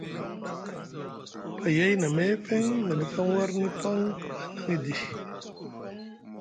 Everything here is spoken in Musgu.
Payay na meefeŋ na ɗif aŋ warni paŋ a hinaŋ edi.